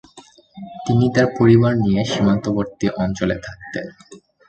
তিনি তার পরিবার নিয়ে সীমান্তবর্তী অঞ্চলে থাকতেন।